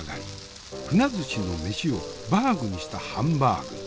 鮒寿司の飯をバーグにしたハンバーグ。